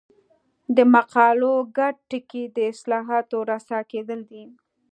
د مقالو ګډ ټکی د اصطلاحاتو رسا کېدل دي.